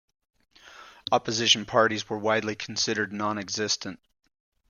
Opposition parties were widely considered nonexistent.